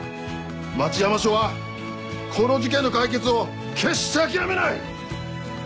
町山署はこの事件の解決を決して諦めない！